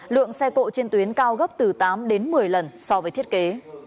lượng xe cộ trên tuyến cao gấp từ tám đến một mươi lần so với thiết kế